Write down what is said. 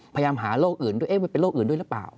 พยายามหาโรคอื่นด้วยเอ๊ะมันเป็นโรคอื่นด้วยหรือเปล่า